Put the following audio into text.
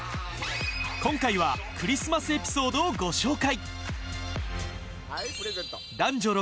今回はクリスマスエピソードをご紹介